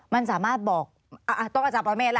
มันสามารถบอกต้องอาจารย์ปรเมฆล่ะ